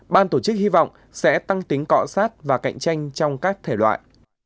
ban tổ chức hy vọng sẽ tăng tính cọ sát và cạnh tranh trong các thể loại